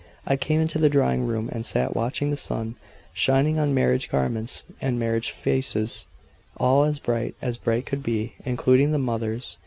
I came into the drawing room, and sat watching the sun shining on marriage garments and marriage faces, all as bright as bright could be, including the mother's.